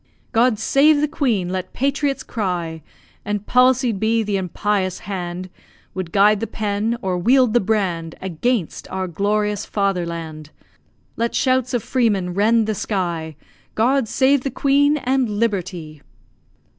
God save the Queen! let patriots cry; And palsied be the impious hand Would guide the pen, or wield the brand, Against our glorious Fatherland. Let shouts of freemen rend the sky, God save the Queen! and Liberty!